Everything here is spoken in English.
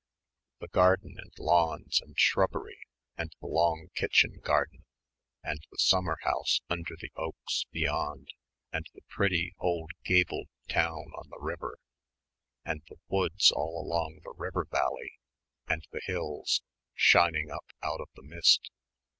the garden and lawns and shrubbery and the long kitchen garden and the summer house under the oaks beyond and the pretty old gabled "town" on the river and the woods all along the river valley and the hills shining up out of the mist.